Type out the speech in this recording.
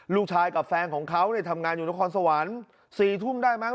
ลูกชายกับแฟนของเขาเนี่ยทำงานอยู่ในคอนสะวัน๔ทุ่มได้มั้ง